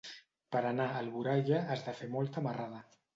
Per anar a Alboraia has de fer molta marrada.